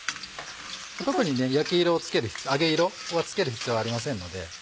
特にね焼き色揚げ色はつける必要はありませんので。